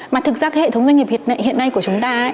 mà thực ra cái hệ thống doanh nghiệp hiện nay của chúng ta